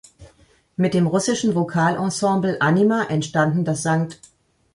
Mit dem russischen Vokalensemble „Anima“ entstanden das „St.